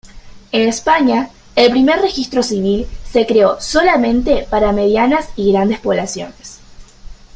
En España, el primer Registro Civil se creó solamente para medianas y grandes poblaciones.